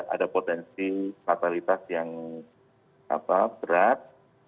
ada potensi fatalitas yang berat